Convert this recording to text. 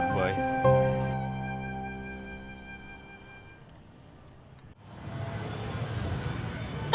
aku mau ini kek